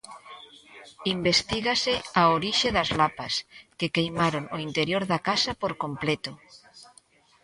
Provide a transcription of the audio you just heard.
Investígase a orixe das lapas, que queimaron o interior da casa por completo.